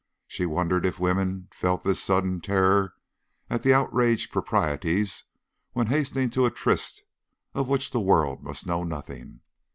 She wondered if women felt this sudden terror of the outraged proprieties when hastening to a tryst of which the world must know nothing.